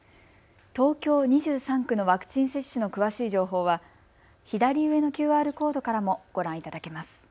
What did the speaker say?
東京２３区のワクチン接種の詳しい情報は左上のＱＲコードからもご覧いただけます。